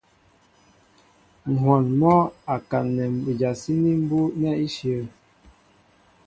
Ŋ̀hwɔn mɔ́ a kaǹnɛ ijasíní mbú' nɛ́ íshyə̂.